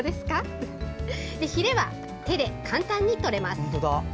ヒレは手で簡単に取れます。